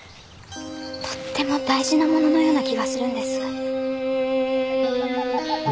とっても大事なもののような気がするんです。